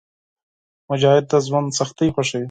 مجاهد د ژوند سختۍ خوښوي.